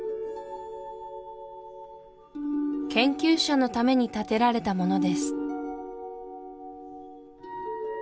研究者のために建てられたものです